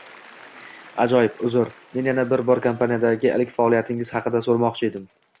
Ajoyib. Uzr, men yana bir bor kompaniyadagi ilk faoliyatingiz haqida soʻramoqchi edim.